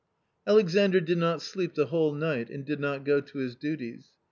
Alexandr did not sleep the whole night, and did not go to his duties.